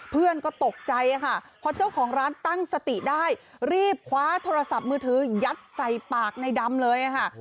เพื่อนก็ตกใจค่ะพอเจ้าของร้านตั้งสติได้รีบคว้าโทรศัพท์มือถือยัดใส่ปากในดำเลยค่ะ